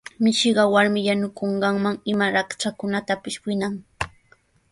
Mishiqa warmi yanukunqanman ima raktrakunatapis winan.